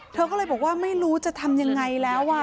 เธอก็เลยบอกว่าไม่รู้จะทำยังไงแล้ว